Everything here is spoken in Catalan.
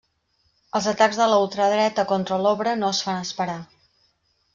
Els atacs de la ultradreta contra l'obra no es fan esperar.